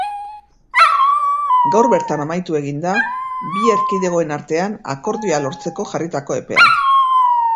Gaur bertan amaitu egin da bi erkidegoen artean akordioa lortzeko jarritako epea.